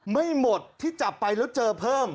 ไม่หมดที่จับไปแล้วเจอเพิ่ม